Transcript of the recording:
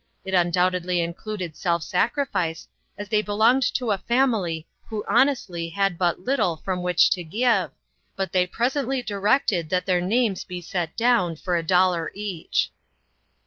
It undoubtedly included self sacrifice, as they belonged to a family who honestly had but little from which to give, but they presently directed that their names be set down for a dollar each.